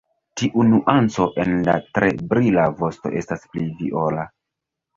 Tiu nuanco en la tre brila vosto estas pli viola.